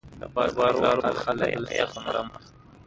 He was an adviser to the President Anwar Sadat.